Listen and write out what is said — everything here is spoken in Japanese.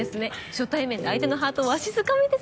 初対面で相手のハートをわしづかみです。